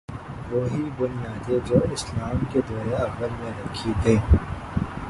وہی بنیادیں جو اسلام کے دور اوّل میں رکھی گئیں۔